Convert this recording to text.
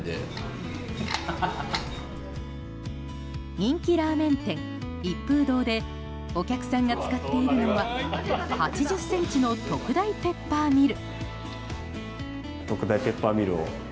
人気ラーメン店、一風堂でお客さんが使っているのは８０ｃｍの特大ペッパーミル。